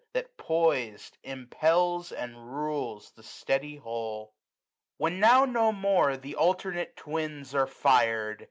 That pois*d^ impels, and rules the steady whole. When now no more th' alternate Twins are fir'd.